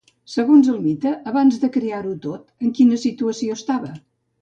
Segons el mite, abans de crear-ho tot, en quina situació estava?